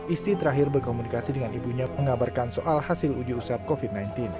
istri terakhir berkomunikasi dengan ibunya mengabarkan soal hasil uji usap covid sembilan belas